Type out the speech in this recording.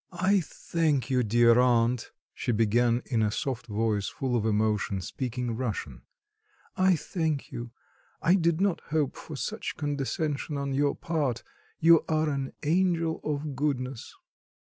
"I thank you, dear aunt," she began in a soft voice full of emotion, speaking Russian; "I thank you; I did not hope for such condescension on your part; you are an angel of goodness."